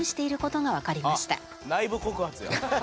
「内部告発や！」